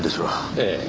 ええ。